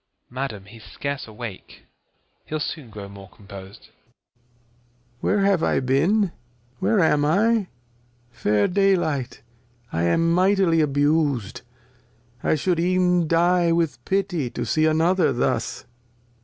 Phys. Madam he's scarce awake; he'U soon grow more compos'd. Lear. Where have I been ? Where am I ? Fair Day Light! I am mightily abus'd, I shou'd even die with Pity To see another thus.